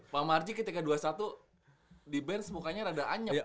pak marji ketika dua satu di bench mukanya agak anyap